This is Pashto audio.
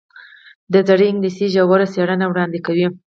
دا د زړې انګلیسي ژوره څیړنه وړاندې کوي.